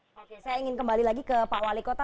oke saya ingin kembali lagi ke pak wali kota